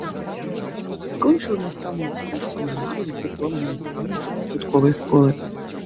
Скончыў настаўніцкую семінарыю з дыпломам настаўніка пачатковай школы.